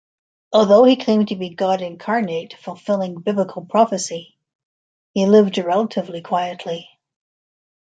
Although he claimed to be God incarnate fulfilling Biblical prophecy, he lived relatively quietly.